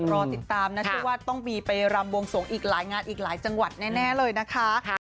รอติดตามนะเชื่อว่าต้องมีไปรำบวงสวงอีกหลายงานอีกหลายจังหวัดแน่เลยนะคะ